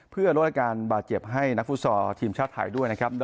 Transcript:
เพื่อลดอาการบาดเจ็บให้นักฟุตซอลทีมชาติไทยด้วยนะครับ